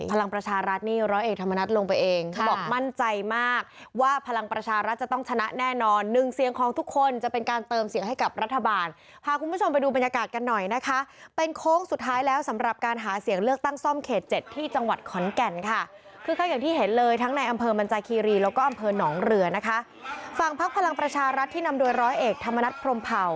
ฝั่งภักดิ์พลังประชารัฐที่นำโดยร้อยเอกธรรมนัฏพรมเผ่า